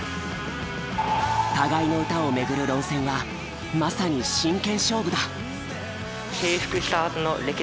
互いの歌を巡る論戦はまさに真剣勝負だ。